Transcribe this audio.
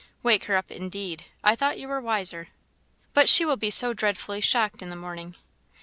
Wake her up, indeed! I thought you were wiser." "But she will be so dreadfully shocked in the morning!"